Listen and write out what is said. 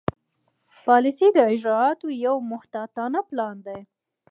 پالیسي د اجرااتو یو محتاطانه پلان دی.